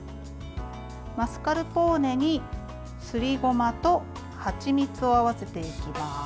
マスカルポーネにすりごまとはちみつを合わせていきます。